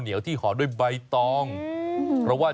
มีกลิ่นหอมกว่า